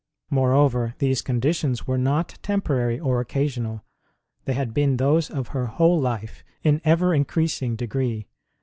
Moreover, these conditions were not temporary or occasional : they had been those of her whole life in ever increasing degree.